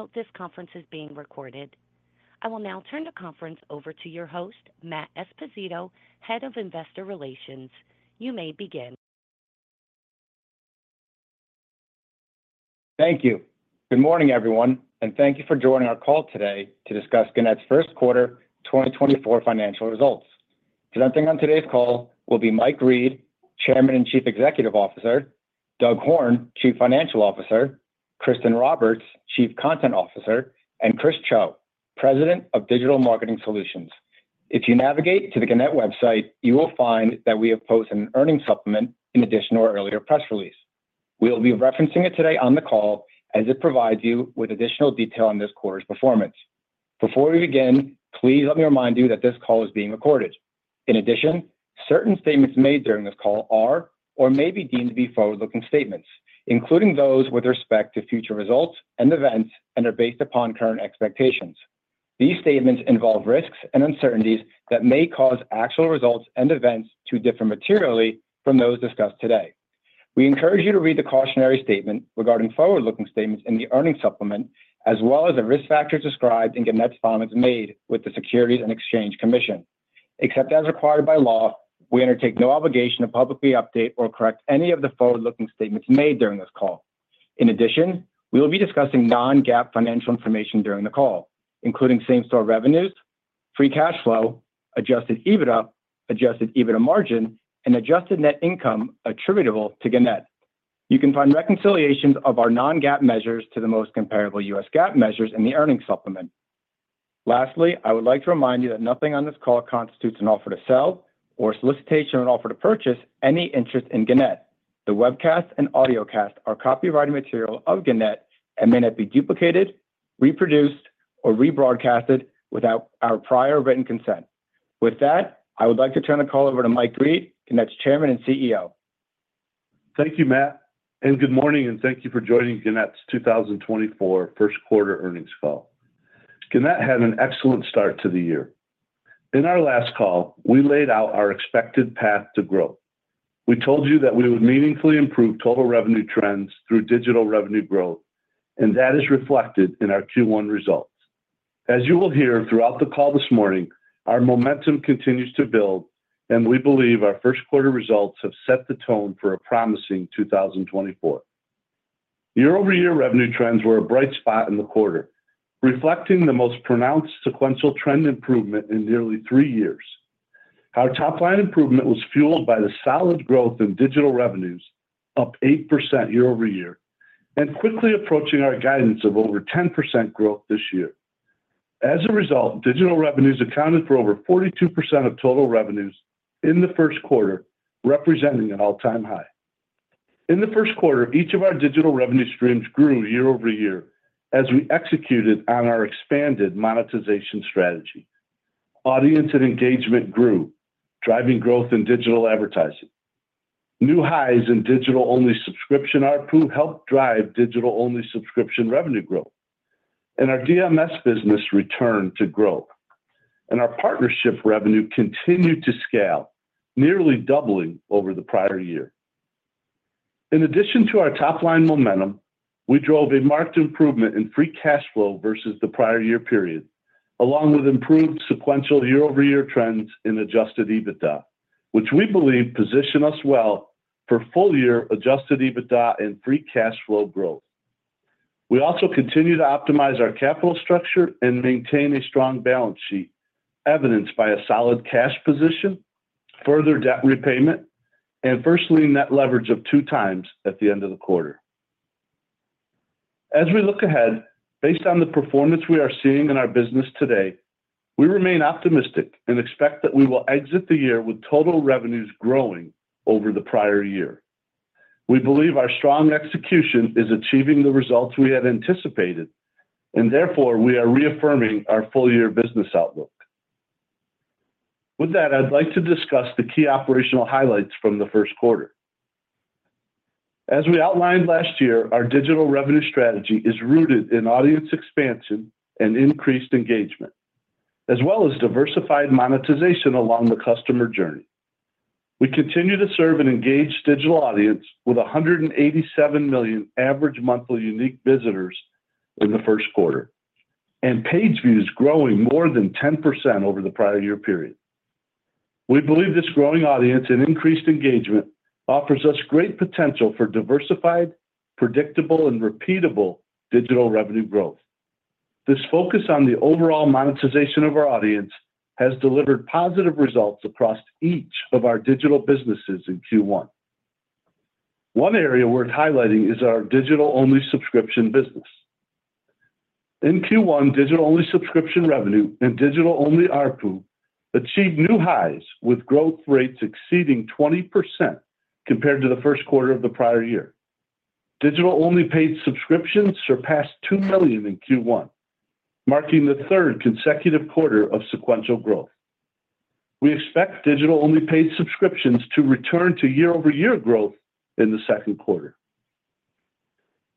Please note this conference is being recorded. I will now turn the conference over to your host, Matt Esposito, Head of Investor Relations. You may begin. Thank you. Good morning, everyone, and thank you for joining our call today to discuss Gannett's first quarter 2024 financial results. Presenting on today's call will be Mike Reed, Chairman and Chief Executive Officer, Doug Horne, Chief Financial Officer, Kristin Roberts, Chief Content Officer, and Chris Cho, President of Digital Marketing Solutions. If you navigate to the Gannett website, you will find that we have posted an earnings supplement in addition to our earlier press release. We'll be referencing it today on the call as it provides you with additional detail on this quarter's performance. Before we begin, please let me remind you that this call is being recorded. In addition, certain statements made during this call are or may be deemed to be forward-looking statements, including those with respect to future results and events, and are based upon current expectations. These statements involve risks and uncertainties that may cause actual results and events to differ materially from those discussed today. We encourage you to read the cautionary statement regarding forward-looking statements in the earnings supplement, as well as the risk factors described in Gannett's filings made with the Securities and Exchange Commission. Except as required by law, we undertake no obligation to publicly update or correct any of the forward-looking statements made during this call. In addition, we will be discussing non-GAAP financial information during the call, including same-store revenues, free cash flow, adjusted EBITDA, adjusted EBITDA margin, and adjusted net income attributable to Gannett. You can find reconciliations of our non-GAAP measures to the most comparable U.S. GAAP measures in the earnings supplement. Lastly, I would like to remind you that nothing on this call constitutes an offer to sell or solicitation of an offer to purchase any interest in Gannett. The webcast and audiocast are copyrighted material of Gannett and may not be duplicated, reproduced, or rebroadcast without our prior written consent. With that, I would like to turn the call over to Mike Reed, Gannett's Chairman and CEO. Thank you, Matt, and good morning, and thank you for joining Gannett's 2024 first quarter earnings call. Gannett had an excellent start to the year. In our last call, we laid out our expected path to growth. We told you that we would meaningfully improve total revenue trends through digital revenue growth, and that is reflected in our Q1 results. As you will hear throughout the call this morning, our momentum continues to build, and we believe our first quarter results have set the tone for a promising 2024. Year-over-year revenue trends were a bright spot in the quarter, reflecting the most pronounced sequential trend improvement in nearly three years. Our top-line improvement was fueled by the solid growth in digital revenues, up 8% year-over-year, and quickly approaching our guidance of over 10% growth this year. As a result, digital revenues accounted for over 42% of total revenues in the first quarter, representing an all-time high. In the first quarter, each of our digital revenue streams grew year-over-year as we executed on our expanded monetization strategy. Audience and engagement grew, driving growth in digital advertising. New highs in digital-only subscription ARPU helped drive digital-only subscription revenue growth, and our DMS business returned to growth, and our partnership revenue continued to scale, nearly doubling over the prior year. In addition to our top-line momentum, we drove a marked improvement in free cash flow versus the prior year period, along with improved sequential year-over-year trends in adjusted EBITDA, which we believe position us well for full-year adjusted EBITDA and free cash flow growth. We also continue to optimize our capital structure and maintain a strong balance sheet, evidenced by a solid cash position, further debt repayment, and first lien, net leverage of 2x at the end of the quarter. As we look ahead, based on the performance we are seeing in our business today, we remain optimistic and expect that we will exit the year with total revenues growing over the prior year. We believe our strong execution is achieving the results we had anticipated, and therefore, we are reaffirming our full-year business outlook. With that, I'd like to discuss the key operational highlights from the first quarter. As we outlined last year, our digital revenue strategy is rooted in audience expansion and increased engagement, as well as diversified monetization along the customer journey. We continue to serve an engaged digital audience with 187 million average monthly unique visitors in the first quarter, and page views growing more than 10% over the prior year period. We believe this growing audience and increased engagement offers us great potential for diversified, predictable, and repeatable digital revenue growth. This focus on the overall monetization of our audience has delivered positive results across each of our digital businesses in Q1. One area worth highlighting is our digital-only subscription business. In Q1, digital-only subscription revenue and digital-only ARPU achieved new highs, with growth rates exceeding 20% compared to the first quarter of the prior year. Digital-only paid subscriptions surpassed 2 million in Q1, marking the third consecutive quarter of sequential growth. We expect digital-only paid subscriptions to return to year-over-year growth in the second quarter.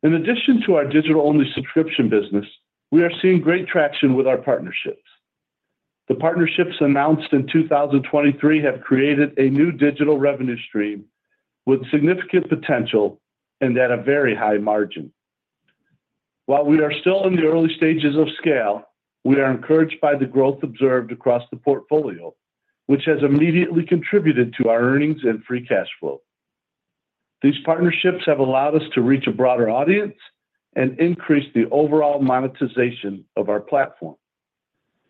In addition to our digital-only subscription business, we are seeing great traction with our partnerships. The partnerships announced in 2023 have created a new digital revenue stream with significant potential and at a very high margin. While we are still in the early stages of scale, we are encouraged by the growth observed across the portfolio, which has immediately contributed to our earnings and free cash flow. These partnerships have allowed us to reach a broader audience and increase the overall monetization of our platform.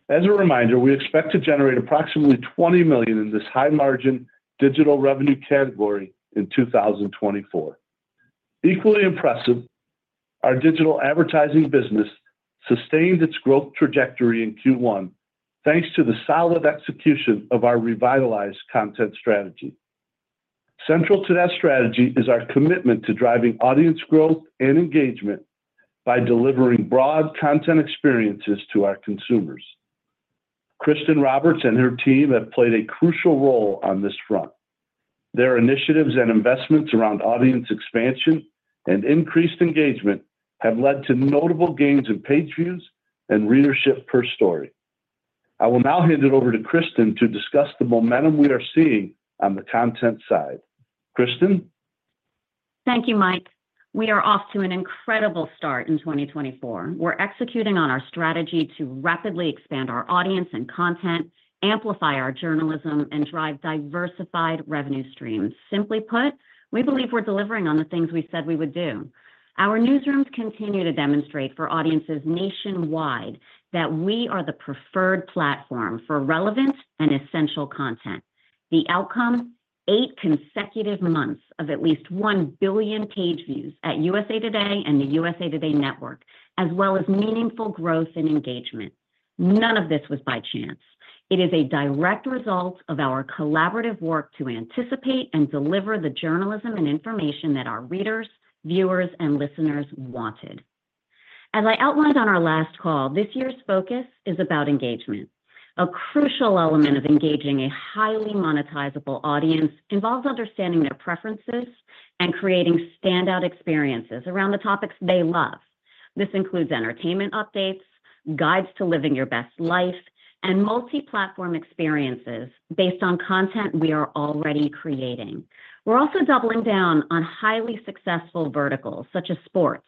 As a reminder, we expect to generate approximately $20 million in this high-margin digital revenue category in 2024. Equally impressive, our digital advertising business sustained its growth trajectory in Q1, thanks to the solid execution of our revitalized content strategy. Central to that strategy is our commitment to driving audience growth and engagement by delivering broad content experiences to our consumers. Kristin Roberts and her team have played a crucial role on this front. Their initiatives and investments around audience expansion and increased engagement have led to notable gains in page views and readership per story. I will now hand it over to Kristin to discuss the momentum we are seeing on the content side. Kristin? Thank you, Mike. We are off to an incredible start in 2024. We're executing on our strategy to rapidly expand our audience and content, amplify our journalism, and drive diversified revenue streams. Simply put, we believe we're delivering on the things we said we would do. Our newsrooms continue to demonstrate for audiences nationwide that we are the preferred platform for relevant and essential content. The outcome, eight consecutive months of at least 1 billion page views at USA TODAY and the USA TODAY NETWORK, as well as meaningful growth and engagement. None of this was by chance. It is a direct result of our collaborative work to anticipate and deliver the journalism and information that our readers, viewers, and listeners wanted. As I outlined on our last call, this year's focus is about engagement. A crucial element of engaging a highly monetizable audience involves understanding their preferences and creating standout experiences around the topics they love. This includes entertainment updates, guides to living your best life, and multi-platform experiences based on content we are already creating. We're also doubling down on highly successful verticals, such as sports,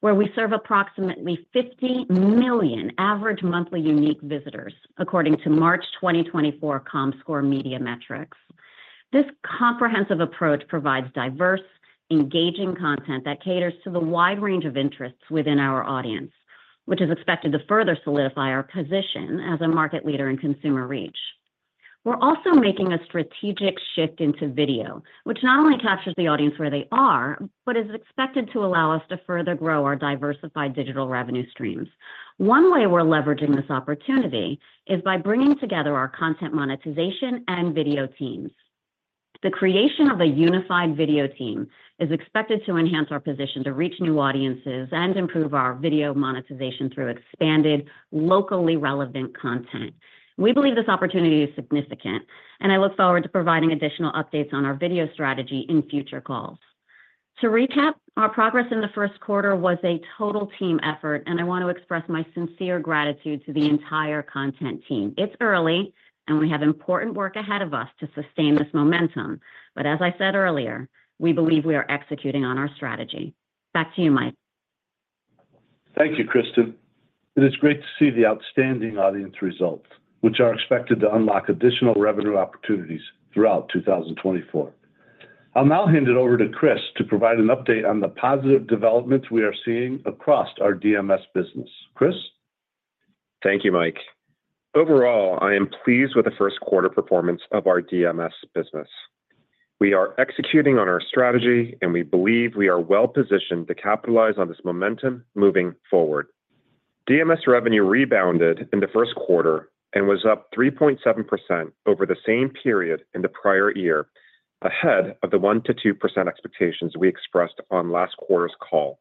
where we serve approximately 50 million average monthly unique visitors, according to March 2024 Comscore Media Metrix. This comprehensive approach provides diverse, engaging content that caters to the wide range of interests within our audience, which is expected to further solidify our position as a market leader in consumer reach. We're also making a strategic shift into video, which not only captures the audience where they are, but is expected to allow us to further grow our diversified digital revenue streams. One way we're leveraging this opportunity is by bringing together our content monetization and video teams. The creation of a unified video team is expected to enhance our position to reach new audiences and improve our video monetization through expanded, locally relevant content. We believe this opportunity is significant, and I look forward to providing additional updates on our video strategy in future calls. To recap, our progress in the first quarter was a total team effort, and I want to express my sincere gratitude to the entire content team. It's early, and we have important work ahead of us to sustain this momentum. But as I said earlier, we believe we are executing on our strategy. Back to you, Mike. Thank you, Kristin. It is great to see the outstanding audience results, which are expected to unlock additional revenue opportunities throughout 2024. I'll now hand it over to Chris to provide an update on the positive developments we are seeing across our DMS business. Chris? Thank you, Mike. Overall, I am pleased with the first quarter performance of our DMS business. We are executing on our strategy, and we believe we are well-positioned to capitalize on this momentum moving forward. DMS revenue rebounded in the first quarter and was up 3.7% over the same period in the prior year, ahead of the 1%-2% expectations we expressed on last quarter's call.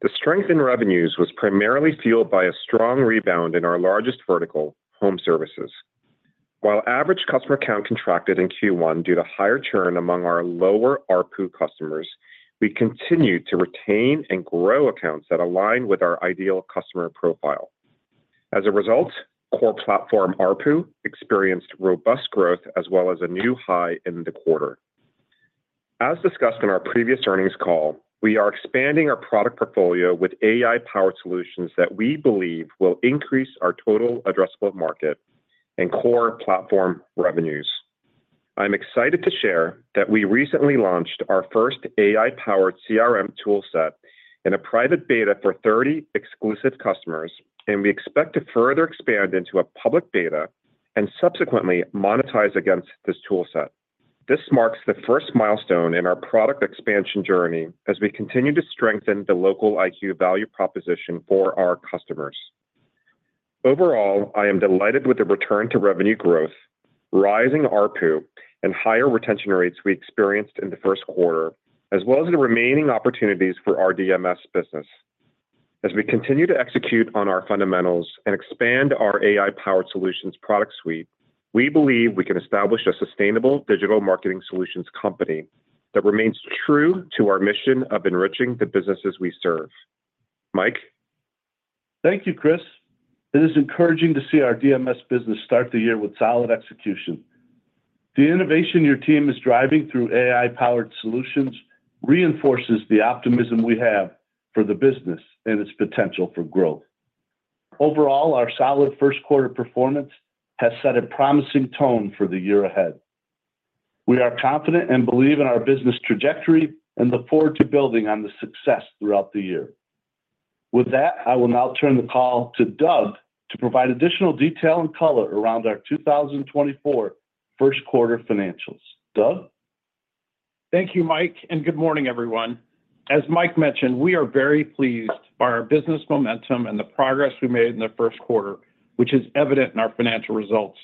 The strength in revenues was primarily fueled by a strong rebound in our largest vertical, home services. While average customer count contracted in Q1 due to higher churn among our lower ARPU customers, we continued to retain and grow accounts that align with our ideal customer profile. As a result, core platform ARPU experienced robust growth as well as a new high in the quarter. As discussed in our previous earnings call, we are expanding our product portfolio with AI-powered solutions that we believe will increase our total addressable market and core platform revenues. I'm excited to share that we recently launched our first AI-powered CRM toolset in a private beta for 30 exclusive customers, and we expect to further expand into a public beta and subsequently monetize against this toolset. This marks the first milestone in our product expansion journey as we continue to strengthen the LocaliQ value proposition for our customers. Overall, I am delighted with the return to revenue growth, rising ARPU, and higher retention rates we experienced in the first quarter, as well as the remaining opportunities for our DMS business. As we continue to execute on our fundamentals and expand our AI-powered solutions product suite, we believe we can establish a sustainable digital marketing solutions company that remains true to our mission of enriching the businesses we serve. Mike? Thank you, Chris. It is encouraging to see our DMS business start the year with solid execution. The innovation your team is driving through AI-powered solutions reinforces the optimism we have for the business and its potential for growth. Overall, our solid first quarter performance has set a promising tone for the year ahead. We are confident and believe in our business trajectory and look forward to building on the success throughout the year. With that, I will now turn the call to Doug to provide additional detail and color around our 2024 first quarter financials. Doug? Thank you, Mike, and good morning, everyone. As Mike mentioned, we are very pleased by our business momentum and the progress we made in the first quarter, which is evident in our financial results.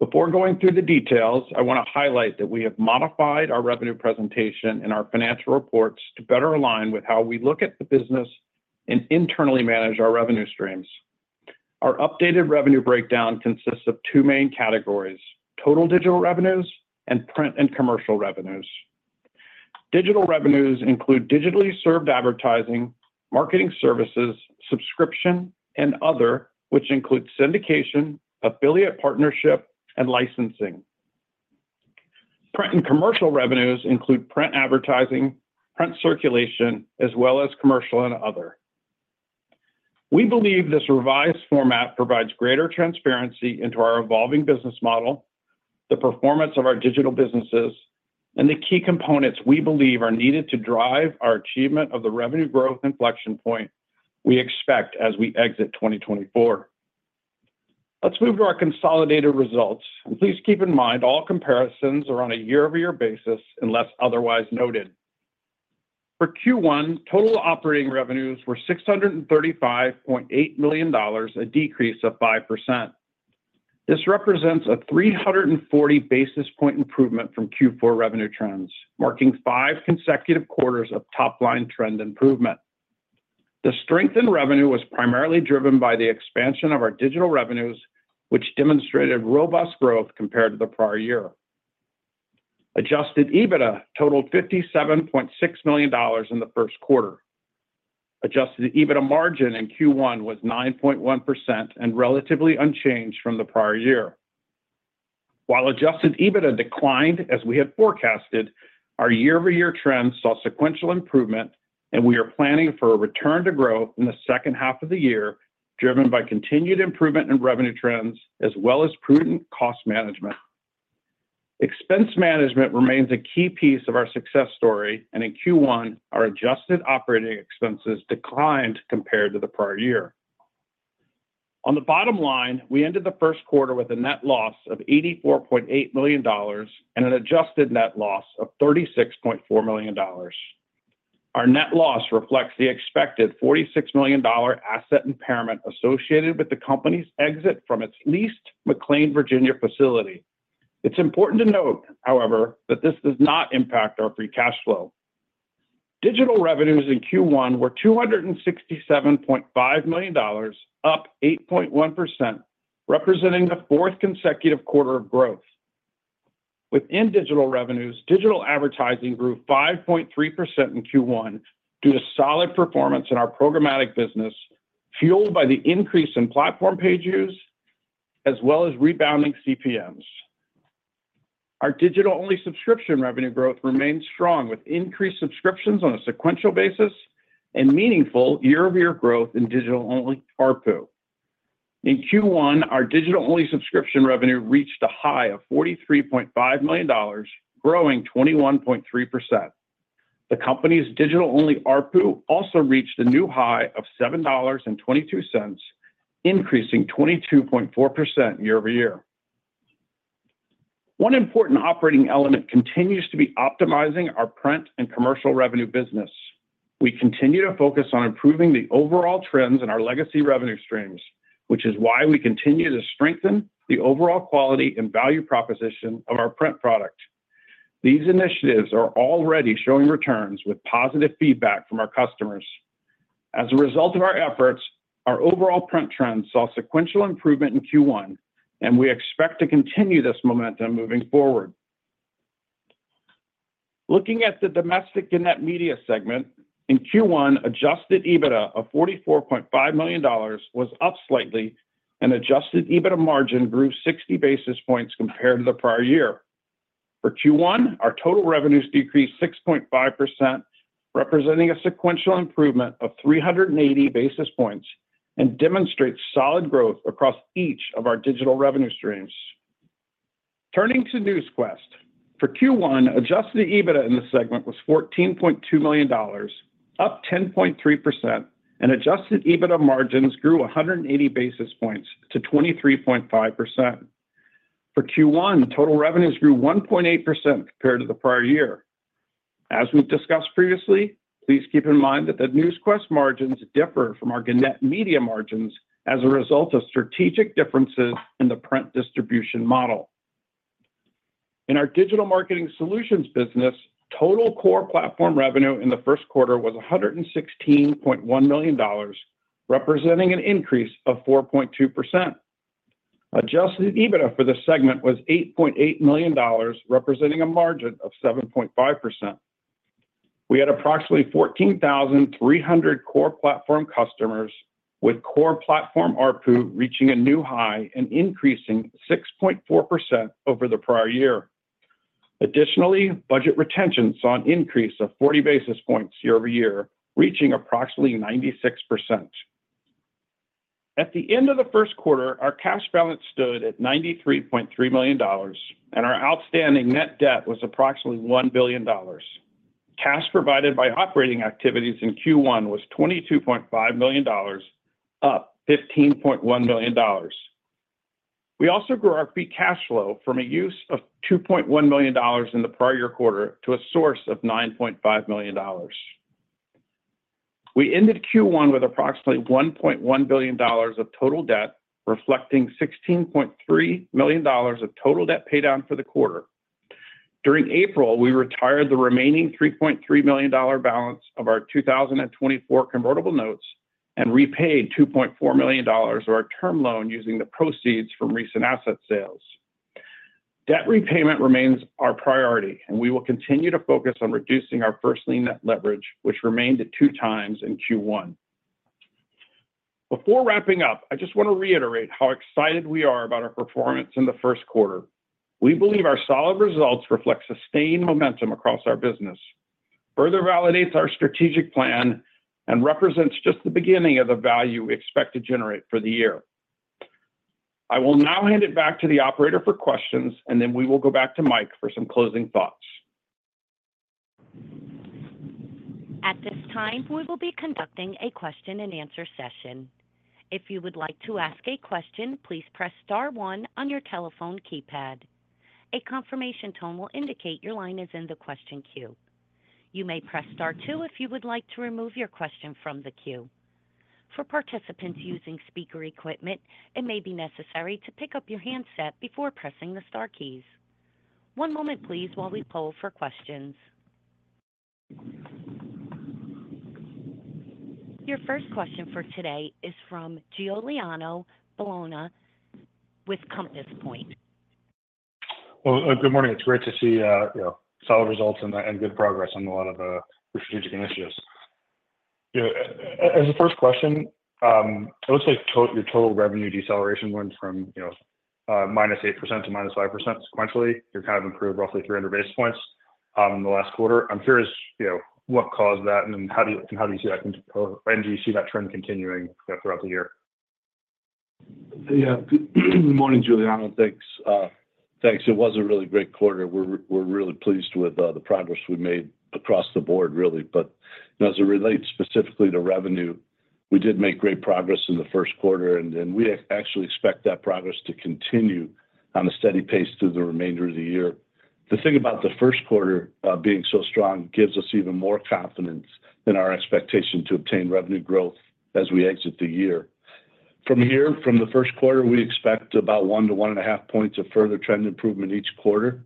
Before going through the details, I wanna highlight that we have modified our revenue presentation and our financial reports to better align with how we look at the business and internally manage our revenue streams. Our updated revenue breakdown consists of two main categories: Total Digital Revenues and Print and Commercial Revenues. Digital revenues include digitally served advertising, marketing services, subscription, and other, which includes syndication, affiliate partnership, and licensing. Print and commercial revenues include print advertising, print circulation, as well as commercial and other. We believe this revised format provides greater transparency into our evolving business model, the performance of our digital businesses, and the key components we believe are needed to drive our achievement of the revenue growth inflection point we expect as we exit 2024. Let's move to our consolidated results, and please keep in mind all comparisons are on a year-over-year basis, unless otherwise noted. For Q1, total operating revenues were $635.8 million, a decrease of 5%. This represents a 340 basis point improvement from Q4 revenue trends, marking five consecutive quarters of top-line trend improvement. The strength in revenue was primarily driven by the expansion of our digital revenues, which demonstrated robust growth compared to the prior year. Adjusted EBITDA totaled $57.6 million in the first quarter. Adjusted EBITDA margin in Q1 was 9.1% and relatively unchanged from the prior year. While adjusted EBITDA declined as we had forecasted, our year-over-year trends saw sequential improvement, and we are planning for a return to growth in the second half of the year, driven by continued improvement in revenue trends as well as prudent cost management. Expense management remains a key piece of our success story, and in Q1, our adjusted operating expenses declined compared to the prior year. On the bottom line, we ended the first quarter with a net loss of $84.8 million and an adjusted net loss of $36.4 million. Our net loss reflects the expected $46 million asset impairment associated with the company's exit from its leased McLean, Virginia, facility. It's important to note, however, that this does not impact our free cash flow. Digital revenues in Q1 were $267.5 million, up 8.1%, representing the 4th consecutive quarter of growth. Within digital revenues, digital advertising grew 5.3% in Q1 due to solid performance in our programmatic business, fueled by the increase in platform page views, as well as rebounding CPMs. Our digital-only subscription revenue growth remains strong, with increased subscriptions on a sequential basis and meaningful year-over-year growth in digital-only ARPU. In Q1, our digital-only subscription revenue reached a high of $43.5 million, growing 21.3%. The company's digital-only ARPU also reached a new high of $7.22, increasing 22.4% year-over-year. One important operating element continues to be optimizing our print and commercial revenue business. We continue to focus on improving the overall trends in our legacy revenue streams, which is why we continue to strengthen the overall quality and value proposition of our print product. These initiatives are already showing returns with positive feedback from our customers. As a result of our efforts, our overall print trends saw sequential improvement in Q1, and we expect to continue this momentum moving forward. Looking at the domestic Gannett media segment, in Q1, Adjusted EBITDA of $44.5 million was up slightly, and Adjusted EBITDA margin grew 60 basis points compared to the prior year. For Q1, our total revenues decreased 6.5%, representing a sequential improvement of 380 basis points and demonstrates solid growth across each of our digital revenue streams. Turning to Newsquest, for Q1, adjusted EBITDA in this segment was $14.2 million, up 10.3%, and adjusted EBITDA margins grew 180 basis points to 23.5%. For Q1, total revenues grew 1.8% compared to the prior year. As we've discussed previously, please keep in mind that the Newsquest margins differ from our Gannett media margins as a result of strategic differences in the print distribution model. In our digital marketing solutions business, total core platform revenue in the first quarter was $116.1 million, representing an increase of 4.2%. Adjusted EBITDA for the segment was $8.8 million, representing a margin of 7.5%. We had approximately 14,300 core platform customers, with core platform ARPU reaching a new high and increasing 6.4% over the prior year. Additionally, budget retention saw an increase of 40 basis points year-over-year, reaching approximately 96%. At the end of the first quarter, our cash balance stood at $93.3 million, and our outstanding net debt was approximately $1 billion. Cash provided by operating activities in Q1 was $22.5 million, up $15.1 million. We also grew our free cash flow from a use of $2.1 million in the prior year quarter to a source of $9.5 million. We ended Q1 with approximately $1.1 billion of total debt, reflecting $16.3 million of total debt paid down for the quarter. During April, we retired the remaining $3.3 million balance of our 2024 convertible notes and repaid $2.4 million of our term loan using the proceeds from recent asset sales. Debt repayment remains our priority, and we will continue to focus on reducing our first lien net leverage, which remained at 2x in Q1. Before wrapping up, I just want to reiterate how excited we are about our performance in the first quarter. We believe our solid results reflect sustained momentum across our business, further validates our strategic plan, and represents just the beginning of the value we expect to generate for the year. I will now hand it back to the operator for questions, and then we will go back to Mike for some closing thoughts. At this time, we will be conducting a question-and-answer session. If you would like to ask a question, please press star one on your telephone keypad. A confirmation tone will indicate your line is in the question queue. You may press star two if you would like to remove your question from the queue. For participants using speaker equipment, it may be necessary to pick up your handset before pressing the star keys. One moment, please, while we poll for questions. Your first question for today is from Giuliano Bologna with Compass Point. Well, good morning. It's great to see, you know, solid results and good progress on a lot of the strategic initiatives. Yeah, as a first question, it looks like your total revenue deceleration went from, you know, -8% to -5% sequentially. You're kind of improved roughly 300 basis points in the last quarter. I'm curious, you know, what caused that, and then how do you see that continuing, or when do you see that trend continuing, you know, throughout the year? Yeah, good morning, Giuliano. Thanks. Thanks. It was a really great quarter. We're, we're really pleased with the progress we've made across the board, really. But as it relates specifically to revenue, we did make great progress in the first quarter, and we actually expect that progress to continue on a steady pace through the remainder of the year. The thing about the first quarter being so strong gives us even more confidence in our expectation to obtain revenue growth as we exit the year. From here, from the first quarter, we expect about 1-1.5 points of further trend improvement each quarter,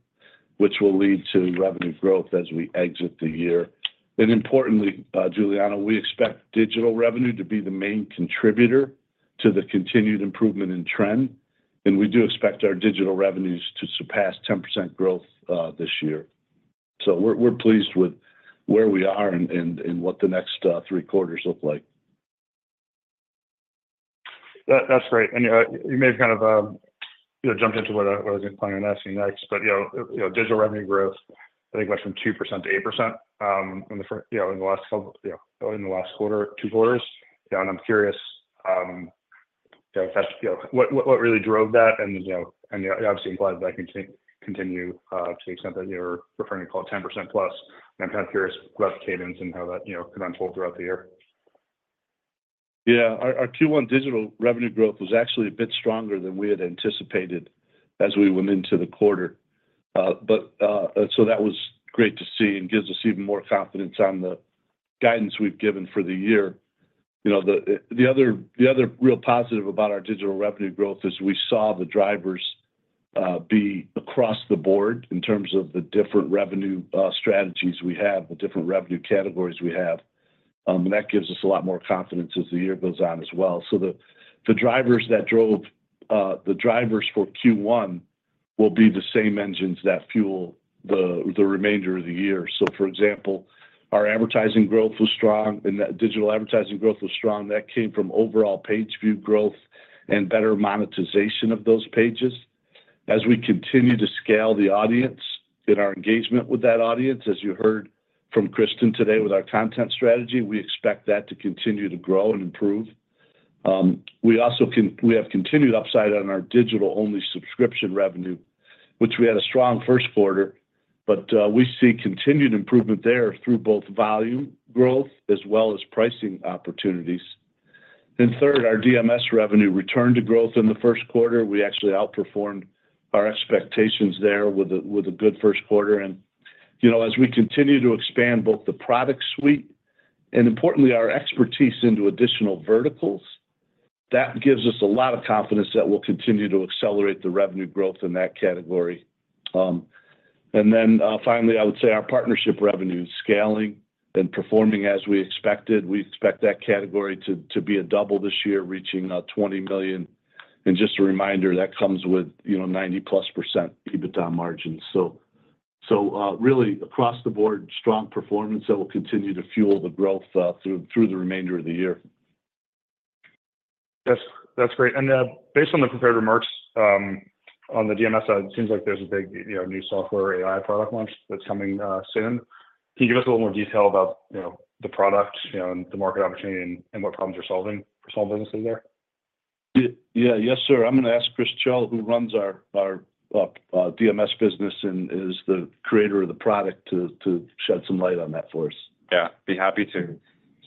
which will lead to revenue growth as we exit the year. Importantly, Giuliano, we expect digital revenue to be the main contributor to the continued improvement in trend, and we do expect our digital revenues to surpass 10% growth this year. So we're pleased with where we are and what the next three quarters look like. That, that's great. And you may have kind of, you know, jumped into what I was planning on asking next, but, you know, you know, digital revenue growth, I think, went from 2%-8%, you know, in the last couple, you know, in the last quarter, two quarters. And I'm curious, you know, if that's, you know. What really drove that? And, you know, and, yeah, obviously, I'm glad that can continue, to extend that you're referring to call +10%. And I'm kind of curious about the cadence and how that, you know, can unfold throughout the year. Yeah. Our Q1 digital revenue growth was actually a bit stronger than we had anticipated as we went into the quarter. But so that was great to see and gives us even more confidence on the guidance we've given for the year. You know, the other real positive about our digital revenue growth is we saw the drivers be across the board in terms of the different revenue strategies we have, the different revenue categories we have. That gives us a lot more confidence as the year goes on as well. So the drivers that drove the drivers for Q1 will be the same engines that fuel the remainder of the year. So for example, our advertising growth was strong, and that digital advertising growth was strong. That came from overall page view growth and better monetization of those pages. As we continue to scale the audience and our engagement with that audience, as you heard from Kristin today with our content strategy, we expect that to continue to grow and improve. We also have continued upside on our digital-only subscription revenue, which we had a strong first quarter, but we see continued improvement there through both volume growth as well as pricing opportunities. Then third, our DMS revenue returned to growth in the first quarter. We actually outperformed our expectations there with a good first quarter. And, you know, as we continue to expand both the product suite and importantly, our expertise into additional verticals, that gives us a lot of confidence that we'll continue to accelerate the revenue growth in that category. And then, finally, I would say our partnership revenue is scaling and performing as we expected. We expect that category to be a double this year, reaching $20 million. And just a reminder, that comes with, you know, +90% EBITDA margins. So, really, across the board, strong performance that will continue to fuel the growth through the remainder of the year. That's, that's great. And, based on the prepared remarks, on the DMS side, it seems like there's a big, you know, new software AI product launch that's coming, soon. Can you give us a little more detail about, you know, the product, you know, and the market opportunity and, and what problems you're solving for solving this in there? Yeah, yes, sir. I'm gonna ask Chris Cho, who runs our DMS business and is the creator of the product, to shed some light on that for us. Yeah, be happy to.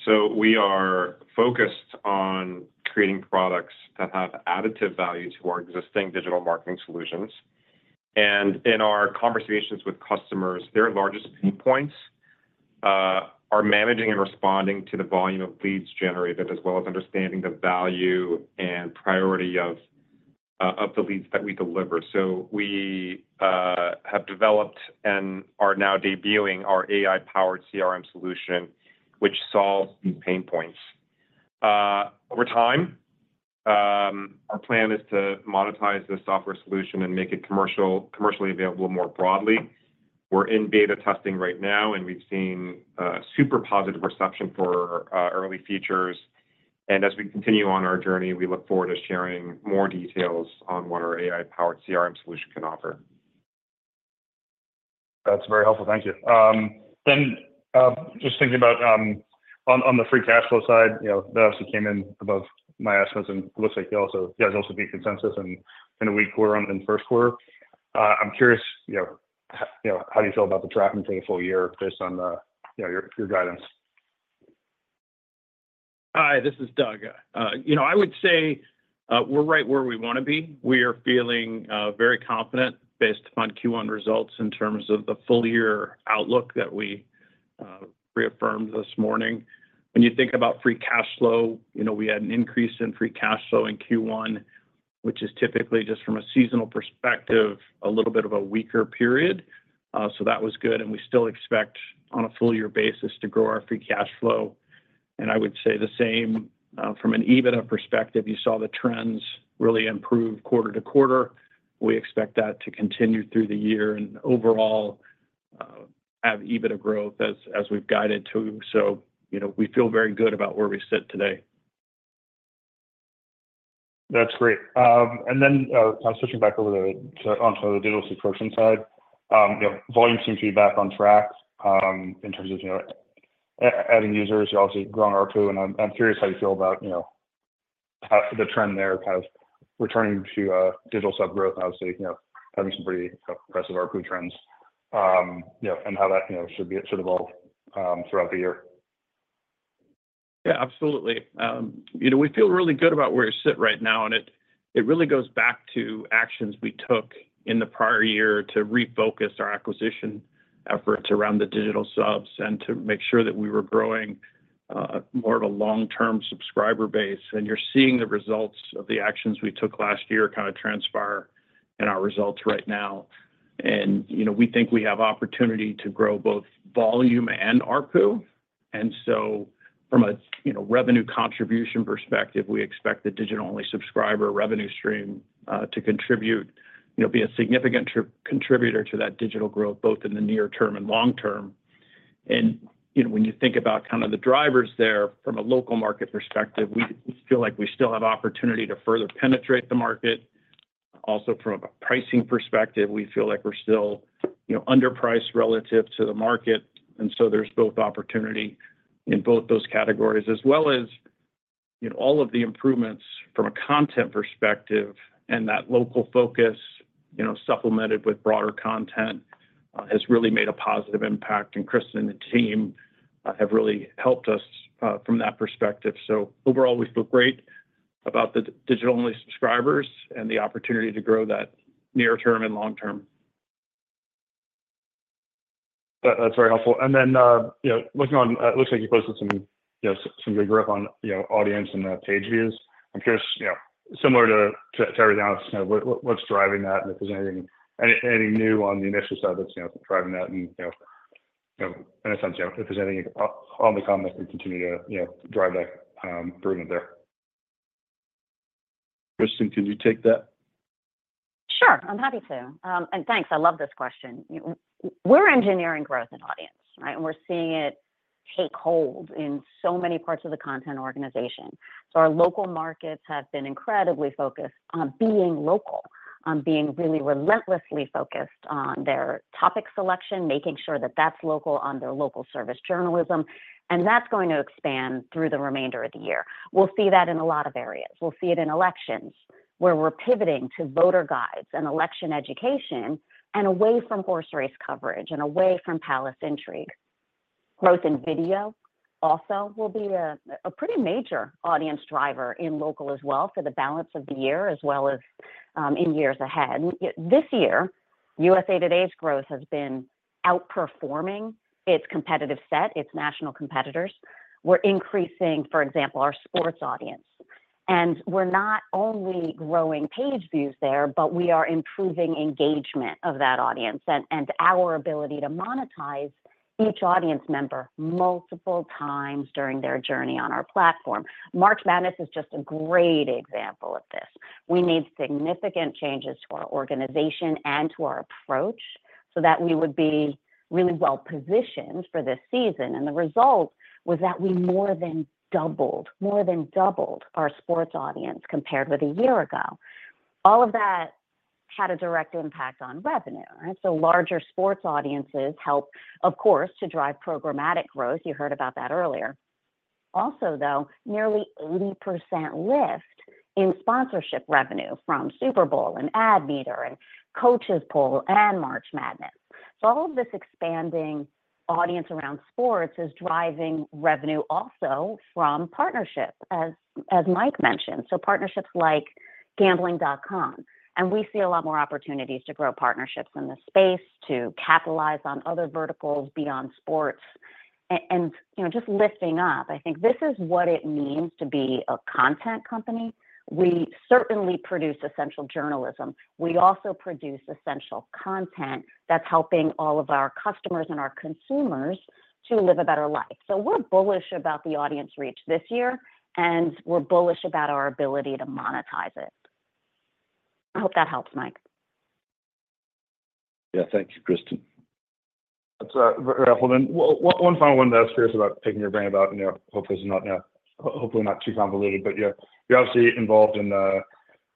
So we are focused on creating products that have additive value to our existing digital marketing solutions. And in our conversations with customers, their largest pain points are managing and responding to the volume of leads generated, as well as understanding the value and priority of the leads that we deliver. So we have developed and are now debuting our AI-powered CRM solution, which solves these pain points. Over time, our plan is to monetize this software solution and make it commercially available more broadly. We're in beta testing right now, and we've seen super positive reception for early features. And as we continue on our journey, we look forward to sharing more details on what our AI-powered CRM solution can offer. That's very helpful. Thank you. Then, just thinking about, on the free cash flow side, you know, that also came in above my estimates, and it looks like you also, you guys also beat consensus and in a week we're on in the first quarter. I'm curious, you know, you know, how do you feel about the tracking for the full year based on the, you know, your, your guidance? Hi, this is Doug. You know, I would say, we're right where we wanna be. We are feeling very confident based upon Q1 results in terms of the full year outlook that we reaffirmed this morning. When you think about free cash flow, you know, we had an increase in free cash flow in Q1, which is typically just from a seasonal perspective, a little bit of a weaker period. So that was good, and we still expect on a full year basis to grow our free cash flow. And I would say the same from an EBITDA perspective. You saw the trends really improve quarter-over-quarter. We expect that to continue through the year and overall have EBITDA growth as we've guided to. So, you know, we feel very good about where we sit today. That's great. And then, switching back over to the digital subscription side, you know, volume seems to be back on track in terms of, you know, adding users. You're also growing ARPU, and I'm curious how you feel about, you know, the trend there kind of returning to digital sub growth, obviously, you know, having some pretty impressive ARPU trends, you know, and how that should evolve throughout the year. Yeah, absolutely. You know, we feel really good about where we sit right now, and it, it really goes back to actions we took in the prior year to refocus our acquisition efforts around the digital subs and to make sure that we were growing more of a long-term subscriber base. And you're seeing the results of the actions we took last year kind of transpire in our results right now. And, you know, we think we have opportunity to grow both volume and ARPU. And so from a, you know, revenue contribution perspective, we expect the digital-only subscriber revenue stream to contribute, you know, be a significant contributor to that digital growth, both in the near term and long term. And, you know, when you think about kind of the drivers there from a local market perspective, we feel like we still have opportunity to further penetrate the market. Also, from a pricing perspective, we feel like we're still, you know, underpriced relative to the market, and so there's both opportunity in both those categories, as well as, you know, all of the improvements from a content perspective and that local focus, you know, supplemented with broader content, has really made a positive impact, and Kristin and the team have really helped us from that perspective. So overall, we feel great about the digital-only subscribers and the opportunity to grow that near term and long term. That, that's very helpful. And then, you know, looking on, it looks like you posted some good growth on, you know, audience and page views. I'm curious, you know, similar to uncertain, you know, what's driving that, and if there's anything new on the initial side that's, you know, driving that, and, you know, and essentially, if there's anything on the comments we continue to, you know, drive that through there. Kristin, could you take that? Sure, I'm happy to. Thanks. I love this question. We're engineering growth and audience, right? And we're seeing it take hold in so many parts of the content organization. So our local markets have been incredibly focused on being local, on being really relentlessly focused on their topic selection, making sure that that's local on their local service journalism, and that's going to expand through the remainder of the year. We'll see that in a lot of areas. We'll see it in elections, where we're pivoting to voter guides and election education and away from horse race coverage and away from palace intrigue. Growth in video also will be a pretty major audience driver in local as well for the balance of the year, as well as in years ahead. This year, USA TODAY's growth has been outperforming its competitive set, its national competitors. We're increasing, for example, our sports audience, and we're not only growing page views there, but we are improving engagement of that audience and our ability to monetize each audience member multiple times during their journey on our platform. March Madness is just a great example of this. We made significant changes to our organization and to our approach so that we would be really well-positioned for this season, and the result was that we more than doubled, more than doubled our sports audience compared with a year ago. All of that had a direct impact on revenue, right? So larger sports audiences help, of course, to drive programmatic growth. You heard about that earlier. Also, though, nearly 80% lift in sponsorship revenue from Super Bowl, and Ad Meter, and Coaches Poll, and March Madness. So all of this expanding audience around sports is driving revenue also from partnerships, as Mike mentioned, so partnerships like Gambling.com. And we see a lot more opportunities to grow partnerships in this space, to capitalize on other verticals beyond sports. And, you know, just lifting up, I think this is what it means to be a content company. We certainly produce essential journalism. We also produce essential content that's helping all of our customers and our consumers to live a better life. So we're bullish about the audience reach this year, and we're bullish about our ability to monetize it. I hope that helps, Mike. Yeah. Thank you, Kristin. That's very helpful, then. One final one that I was curious about picking your brain about, and, you know, hopefully this is not, hopefully not too convoluted. But, yeah, you're obviously involved in the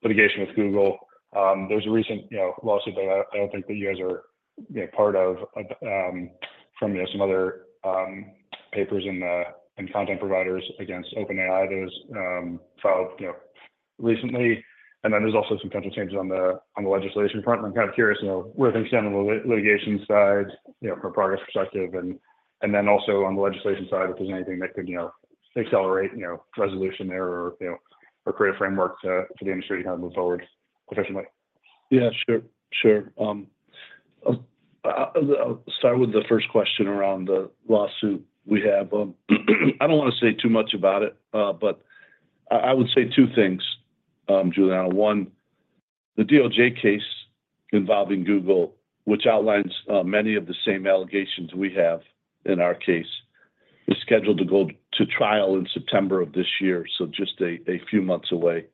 litigation with Google. There was a recent, you know, lawsuit that I don't think that you guys are, you know, part of, from, you know, some other, papers and, and content providers against OpenAI that was, filed, you know, recently. And then there's also some potential changes on the, on the legislation front. I'm kind of curious, you know, where things stand on the litigation side, you know, from a progress perspective. And then also on the legislation side, if there's anything that could, you know, accelerate, you know, resolution there or, you know, or create a framework to, for the industry to kind of move forward professionally. Yeah, sure. Sure. I'll start with the first question around the lawsuit we have. I don't wanna say too much about it, but I would say two things, Giuliano. One, the DOJ case involving Google, which outlines many of the same allegations we have in our case, is scheduled to go to trial in September of this year, so just a few months away.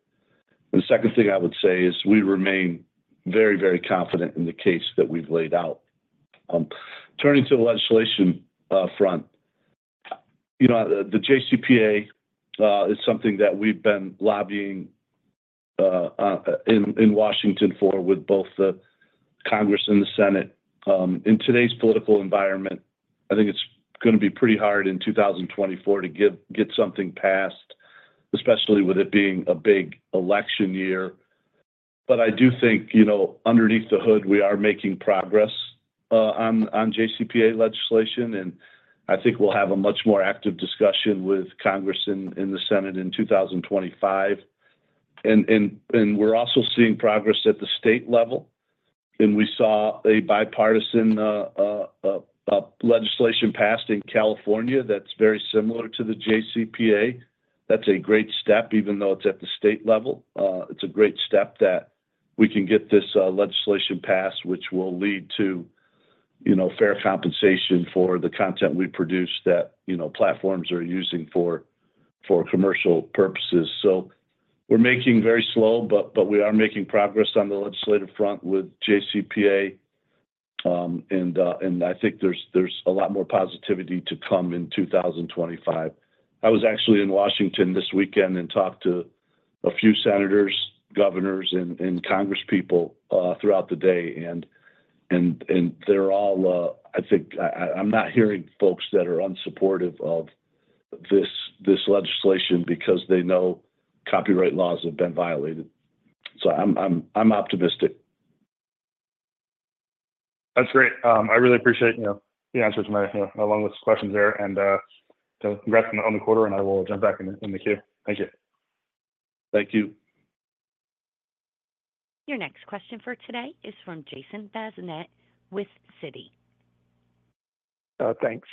The second thing I would say is we remain very, very confident in the case that we've laid out. Turning to the legislation front, you know, the JCPA is something that we've been lobbying in Washington for with both the Congress and the Senate. In today's political environment, I think it's gonna be pretty hard in 2024 to get something passed, especially with it being a big election year. But I do think, you know, underneath the hood, we are making progress on JCPA legislation, and I think we'll have a much more active discussion with Congress and the Senate in 2025. And we're also seeing progress at the state level, and we saw a bipartisan legislation passed in California that's very similar to the JCPA. That's a great step, even though it's at the state level. It's a great step that we can get this legislation passed, which will lead to, you know, fair compensation for the content we produce that, you know, platforms are using for commercial purposes. So we're making very slow, but we are making progress on the legislative front with JCPA. And I think there's a lot more positivity to come in 2025. I was actually in Washington this weekend and talked to a few senators, governors, and congresspeople throughout the day, and they're all. I think I'm not hearing folks that are unsupportive of this legislation because they know copyright laws have been violated. So I'm optimistic. That's great. I really appreciate, you know, the answers to my, you know, my longest questions there. And, so congrats on the quarter, and I will jump back in the queue. Thank you. Thank you. Your next question for today is from Jason Bazinet with Citi. Thanks.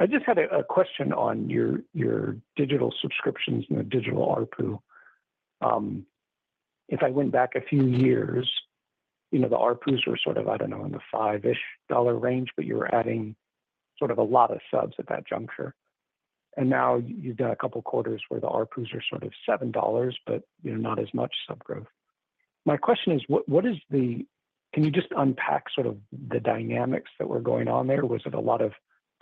I just had a question on your digital subscriptions and your digital ARPU. If I went back a few years, you know, the ARPU were sort of, I don't know, in the $5-ish range, but you were adding sort of a lot of subs at that juncture. And now you've done a couple quarters where the ARPUs are sort of $7, but, you know, not as much sub growth. My question is: What is the. Can you just unpack sort of the dynamics that were going on there? Was it a lot of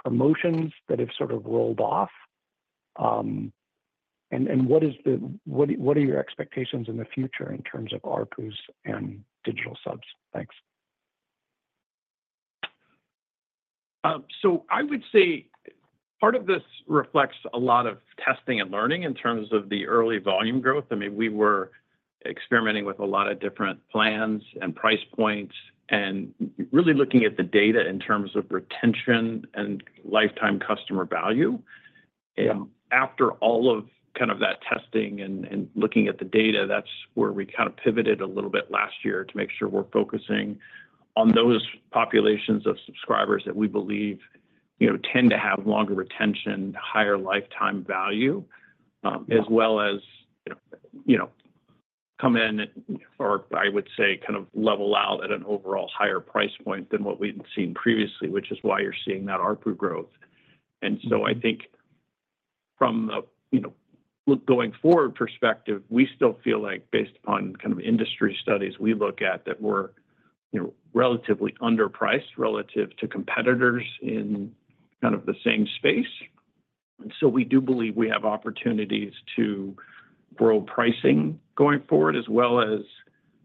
promotions that have sort of rolled off? And what is the- what are your expectations in the future in terms of ARPUs and digital subs? Thanks. So I would say part of this reflects a lot of testing and learning in terms of the early volume growth. I mean, we were experimenting with a lot of different plans and price points and really looking at the data in terms of retention and lifetime customer value. After all of kind of that testing and looking at the data, that's where we kind of pivoted a little bit last year to make sure we're focusing on those populations of subscribers that we believe, you know, tend to have longer retention, higher lifetime value, as well as, you know, come in or I would say, kind of level out at an overall higher price point than what we'd seen previously, which is why you're seeing that ARPU growth. And so I think from a, you know, look going forward perspective, we still feel like based upon kind of industry studies we look at, that we're, you know, relatively underpriced relative to competitors in kind of the same space. So we do believe we have opportunities to grow pricing going forward, as well as,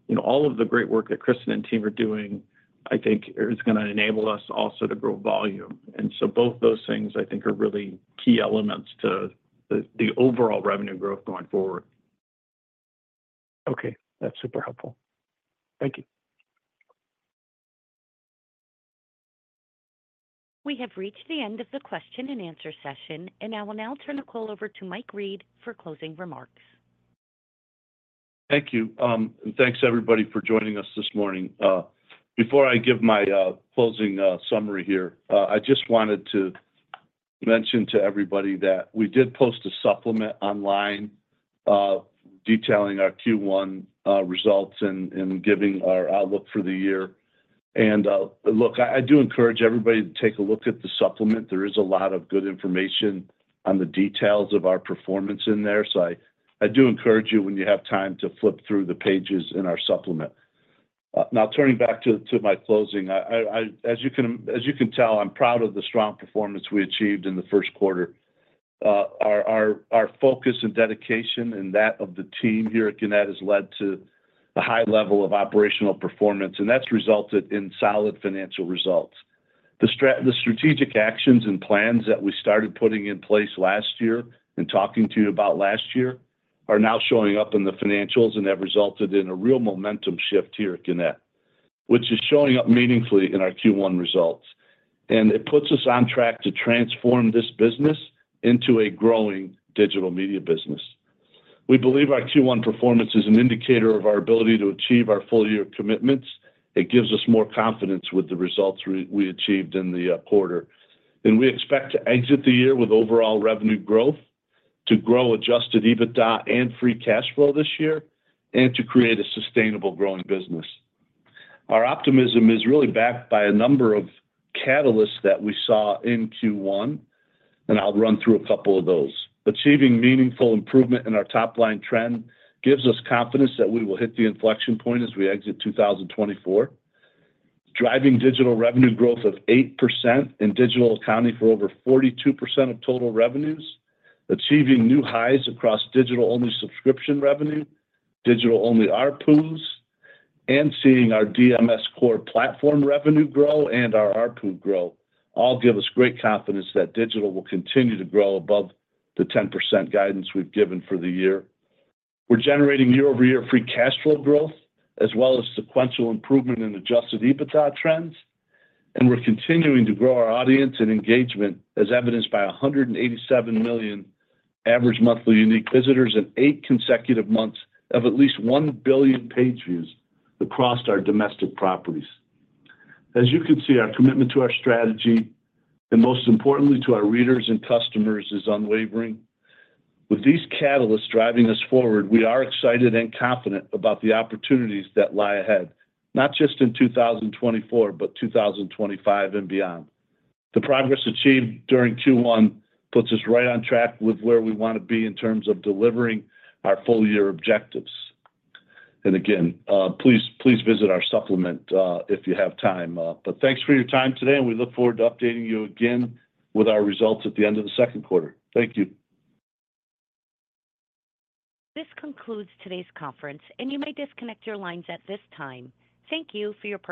you know, all of the great work that Kristin and team are doing, I think is gonna enable us also to grow volume. And so both those things, I think, are really key elements to the overall revenue growth going forward. Okay, that's super helpful. Thank you. We have reached the end of the question and answer session, and I will now turn the call over to Mike Reed for closing remarks. Thank you. Thanks, everybody, for joining us this morning. Before I give my closing summary here, I just wanted to mention to everybody that we did post a supplement online detailing our Q1 results and giving our outlook for the year. Look, I do encourage everybody to take a look at the supplement. There is a lot of good information on the details of our performance in there, so I do encourage you, when you have time, to flip through the pages in our supplement. Now, turning back to my closing, I, as you can tell, I'm proud of the strong performance we achieved in the first quarter. Our focus and dedication and that of the team here at Gannett has led to a high level of operational performance, and that's resulted in solid financial results. The strategic actions and plans that we started putting in place last year and talking to you about last year are now showing up in the financials, and have resulted in a real momentum shift here at Gannett, which is showing up meaningfully in our Q1 results. It puts us on track to transform this business into a growing digital media business. We believe our Q1 performance is an indicator of our ability to achieve our full-year commitments. It gives us more confidence with the results we achieved in the quarter. We expect to exit the year with overall revenue growth, to grow Adjusted EBITDA and free cash flow this year, and to create a sustainable growing business. Our optimism is really backed by a number of catalysts that we saw in Q1, and I'll run through a couple of those. Achieving meaningful improvement in our top-line trend gives us confidence that we will hit the inflection point as we exit 2024. Driving digital revenue growth of 8% and digital accounting for over 42% of total revenues, achieving new highs across digital-only subscription revenue, digital-only ARPUs, and seeing our DMS core platform revenue grow and our ARPU grow, all give us great confidence that digital will continue to grow above the 10% guidance we've given for the year. We're generating year-over-year free cash flow growth, as well as sequential improvement in Adjusted EBITDA trends, and we're continuing to grow our audience and engagement, as evidenced by 187 million average monthly unique visitors and eight consecutive months of at least 1 billion page views across our domestic properties. As you can see, our commitment to our strategy, and most importantly, to our readers and customers, is unwavering. With these catalysts driving us forward, we are excited and confident about the opportunities that lie ahead, not just in 2024, but 2025 and beyond. The progress achieved during Q1 puts us right on track with where we want to be in terms of delivering our full year objectives. Again, please, please visit our supplement if you have time, but thanks for your time today, and we look forward to updating you again with our results at the end of the second quarter. Thank you. This concludes today's conference, and you may disconnect your lines at this time. Thank you for your participation.